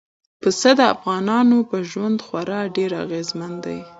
پسه د افغانانو په ژوند خورا ډېر اغېزمن دی.